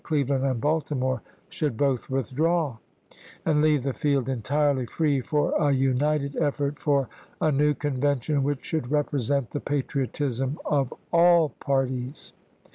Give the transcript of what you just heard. ' Cleveland and Baltimore should both withdraw, and leave the field entirely free for a united effort for "a new convention which should represent the patriotism of all parties."